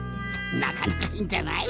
なかなかいいんじゃない？